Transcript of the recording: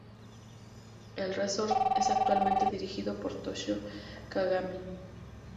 El resort es actualmente dirigido por Toshio Kagami.